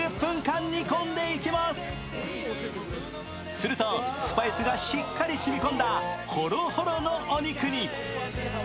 するとスパイスがしっかり染み込んだホロホロのお肉に。